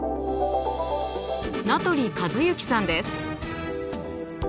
名取和幸さんです。